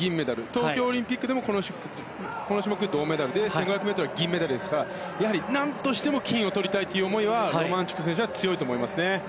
東京オリンピックでもこの種目、銅メダルで１５００ｍ銀メダルですから何としても金をとりたいという思いはロマンチュク選手は強いと思います。